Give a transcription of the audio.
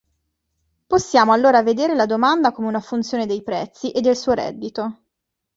Possiamo allora vedere la domanda come una funzione dei prezzi e del suo reddito.